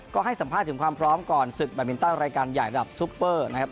ก็ให้สัมภาษณ์ถึงความพร้อมก่อนศึกแบบมินตันรายการใหญ่ระดับซุปเปอร์นะครับ